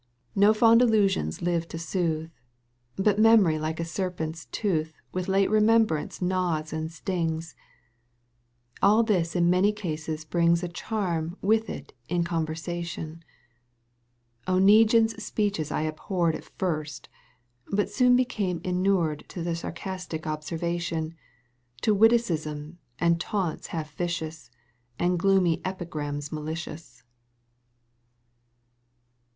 N^o fond Шusions live to soothe, But memory like a serpent's tooth With late repentance gnaws and stings. AU this in many cases brings A charm with it in conversation. yj Oneguine's speeches I abhorred \ At first, but soon became inured To the sarcastic observation, To witticisms and taunts half vicious. And gloomy epigrams malicious.